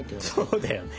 そうだよね。